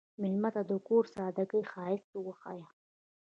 مېلمه ته د کور د سادګۍ ښایست وښیه.